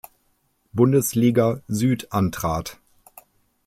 Bundesliga Süd antrat.